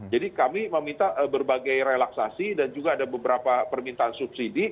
jadi kami meminta berbagai relaksasi dan juga ada beberapa permintaan subsidi